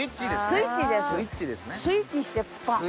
スイッチしてパン！